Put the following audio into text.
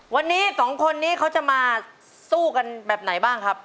วันนี้สองคนนี้เขาจะมาสู้กันแบบไหนบ้างครับ